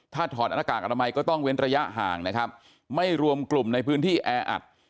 ถ้าถอดหน้ากากอนามัยก็ต้องเว้นระยะห่างนะครับไม่รวมกลุ่มในพื้นที่แออัด